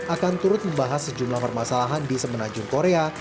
akan turut membahas sejumlah permasalahan di semenanjung korea